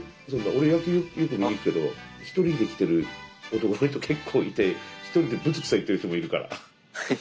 俺野球よく見に行くけどひとりで来てる男の人結構いてひとりでぶつくさ言ってる人もいるから。